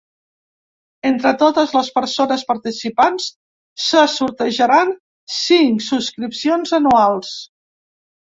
Entre totes les persones participants se sortejaran cinc subscripcions anuals.